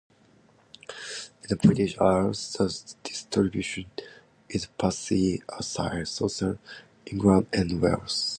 In the British Isles the distribution is patchy outside southern England and Wales.